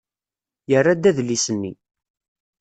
Yerra-d adlis-nni.